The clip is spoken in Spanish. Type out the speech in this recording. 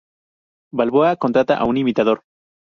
Balboa contrata a un imitador.